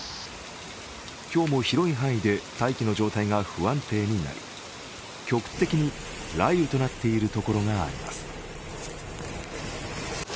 今日も広い範囲で大気の状態が不安定になり、局地的に雷雨となっているところがあります。